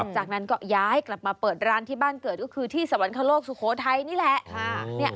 จากนั้นก็ย้ายกลับมาเปิดร้านที่บ้านเกิดก็คือที่สวรรคโลกสุโขทัยนี่แหละ